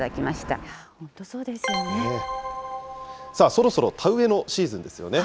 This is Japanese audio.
そろそろ田植えのシーズンですよね。